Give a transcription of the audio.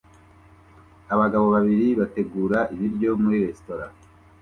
Abagabo babiri bategura ibiryo muri resitora